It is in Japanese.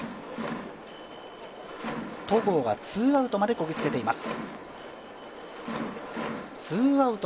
戸郷がツーアウトまでこぎ着けています。